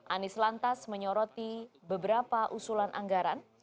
anies lantas menyoroti beberapa usulan anggaran